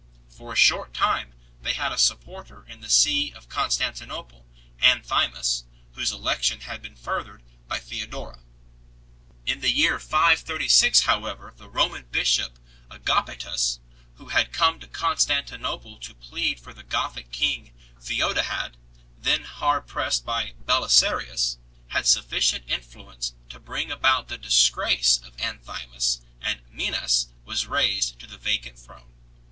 For a short time they had a supporter in the See of Constantinople, Anthimus, whose election had been furthered by Theodora. In the year 536 however the Roman bishop Agapetus, who had come to Constanti nople to plead for the Gothic king, Theodahad, then hard pressed by Belisarius, had sufficient influence to bring about the disgrace of Anthimus, and Mennas was raised to the vacant throne.